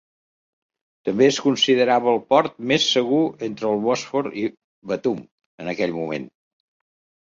També es considerava el port "més segur entre el Bòsfor i Batum" en aquell moment.